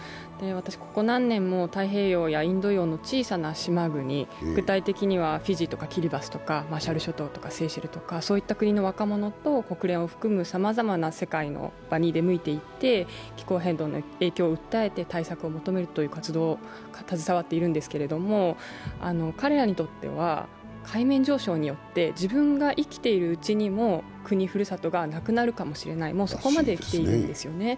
ここ何年も、太平洋やインド洋の小さな島国、具体的にはフィジーとかキリバスとか、マーシャル諸島とかセーシェルとかそういった国々の若者と国連を含む、さまざまな場に出向いて行って、気候変動の影響を訴えて対策を求める活動に携わっているんですけれども、彼らにとっては海面上昇によって自分が生きているうちにも国、ふるさとがなくなるかもしれない、もうそこまで来ているんですよね。